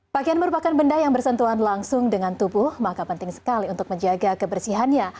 pakaian merupakan benda yang bersentuhan langsung dengan tubuh maka penting sekali untuk menjaga kebersihannya